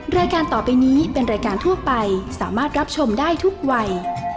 รายการต่อไปนี้เป็นรายการทั่วไปสามารถรับชมได้ทุกวัย